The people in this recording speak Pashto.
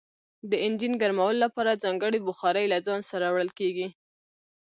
د انجن ګرمولو لپاره ځانګړي بخارۍ له ځان سره وړل کیږي